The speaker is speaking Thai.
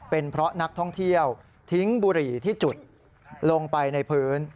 เป็นเพราะนักท่องเที่ยวทิ้งบุหรี่ที่จุดลงไปในพื้น